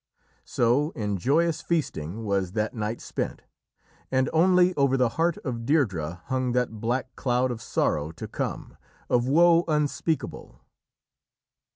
So in joyous feasting was that night spent, and only over the heart of Deirdrê hung that black cloud of sorrow to come, of woe unspeakable.